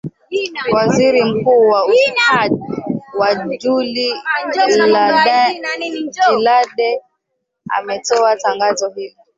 waziri mkuu wa ustadi wa juli jilade ametoa tangazo hilo